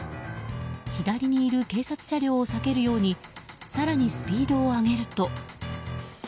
左にいる警察車両を避けるように更にスピードを上げると。